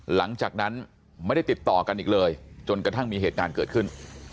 หลังจากนั้นไม่ได้ติดต่อกันอีกเลยจนกระทั่งมีเหตุการณ์เกิดขึ้น